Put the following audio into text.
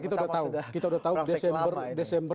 kita sudah tahu kita sudah tahu desember